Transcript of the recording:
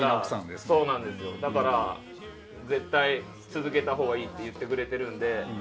だから、絶対続けたほうがいいと言ってくれてるんで。